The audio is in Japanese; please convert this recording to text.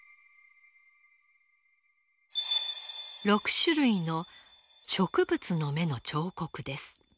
６種類の植物の芽の彫刻です。